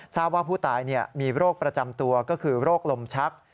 ทราบว่าผู้ตายมีโรคประจำตัวก็คือโรคลมชัก